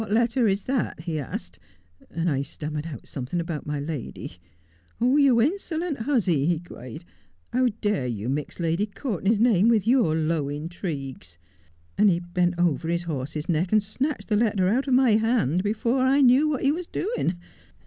'" What letter is that ?" he asked, and I stammered out something about my lady. " You insolent hussy," he cried, " how dare you mix Lady Courtenay's name with your low intrigues 1 " and he bent over his horse's neck and snatched the letter out of my hand before I knew what he was doing.